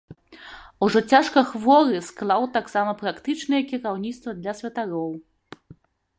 Ужо цяжка хворы, склаў таксама практычнае кіраўніцтва для святароў.